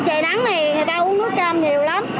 trời nắng này người ta uống nước cơm nhiều lắm